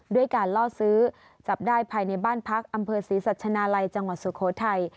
ด้วยการล่อซื้อจับได้ภายในบ้านพักอำเภอศรีสัชนาลัยจังหวัดสุโขทัย